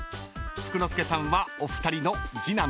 ［福之助さんはお二人の次男です］